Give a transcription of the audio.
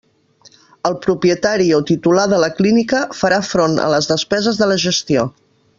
El propietari o titular de la clínica farà front a les despeses de la gestió.